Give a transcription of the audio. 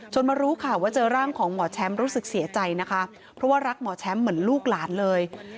มารู้ข่าวว่าเจอร่างของหมอแชมป์รู้สึกเสียใจนะคะเพราะว่ารักหมอแชมป์เหมือนลูกหลานเลย